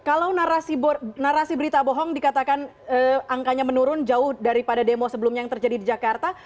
kalau narasi berita bohong dikatakan angkanya menurun jauh daripada demo sebelumnya yang terjadi di jakarta